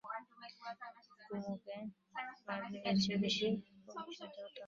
কুমুকে মারলে এর চেয়ে কম বিস্মিত হত।